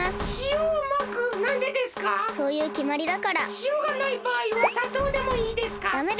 しおがないばあいは砂糖でもいいですか？